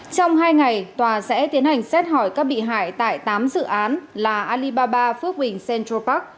trong hai ngày tòa sẽ tiến hành xét hỏi các bị hại tại tám dự án là alibaba phước bình central park